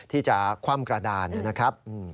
ที่จะคว่ำกระดานนะครับ